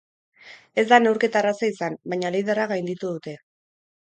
Ez da neurketa erraza izan, baina liderra gainditu dute.